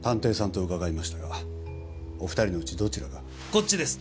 こっちです！